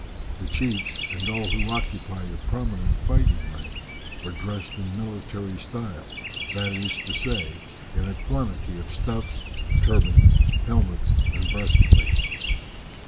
The chiefs, and all who occupied a prominent fighting rank, were dressed in military style that is to say, in a quantity of stuffs, turbans, helmets, and breastplates.